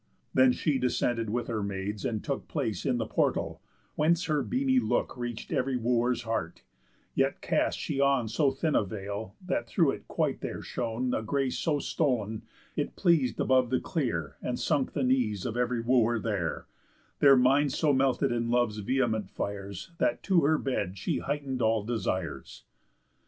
Then she descended with her maids, and took Place in the portal; whence her beamy look Reach'd ev'ry Wooer's heart; yet cast she on So thin a veil, that through it quite there shone A grace so stol'n, it pleas'd above the clear, And sunk the knees of ev'ry Wooer there, Their minds so melted in love's vehement fires, That to her bed she heighten'd all desires.